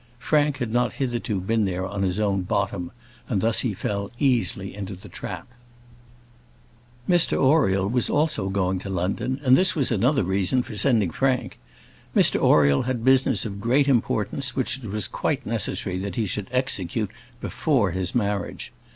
Frank had not hitherto been there on his own bottom, and thus he fell easily into the trap. Mr Oriel was also going to London, and this was another reason for sending Frank. Mr Oriel had business of great importance, which it was quite necessary that he should execute before his marriage.